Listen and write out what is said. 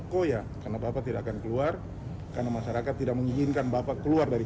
koya karena bapak tidak akan keluar karena masyarakat tidak mengizinkan bapak keluar dari